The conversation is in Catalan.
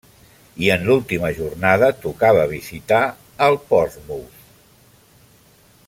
I en l'última jornada tocava visitar al Portsmouth.